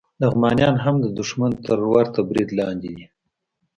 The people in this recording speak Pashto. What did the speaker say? لغمانیان هم د دښمن تر ورته برید لاندې دي